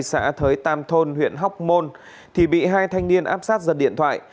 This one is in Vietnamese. xã thới tam thôn huyện hóc môn thì bị hai thanh niên áp sát giật điện thoại